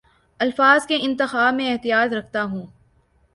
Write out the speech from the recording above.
الفاظ کے انتخاب میں احتیاط رکھتا ہوں